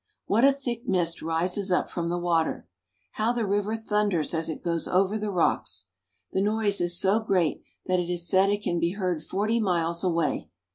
What a thick mist rises up from the water! How the river thunders as it goes over the rocks ! The noise is so great that it is said it can be heard forty miles away.